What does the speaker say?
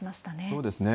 そうですね。